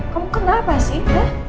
kamu kenapa sih